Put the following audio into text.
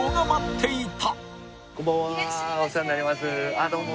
あっどうも。